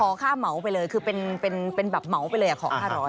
ค่าเหมาไปเลยคือเป็นแบบเหมาไปเลยขอ๕๐๐